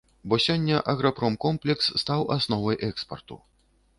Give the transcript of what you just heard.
Бо сёння аграпромкомплекс стаў асновай экспарту.